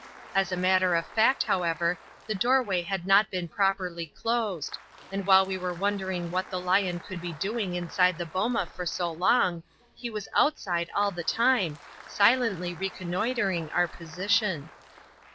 As a matter of fact, however, the doorway had not been properly closed, and while we were wondering what the lion could be doing inside the boma for so long, he was outside all the time, silently reconnoitring our position.